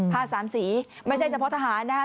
ผ้าสามสีไม่ใช่เฉพาะทหารนะ